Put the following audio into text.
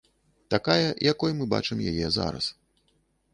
Такая, якой мы бачым яе зараз.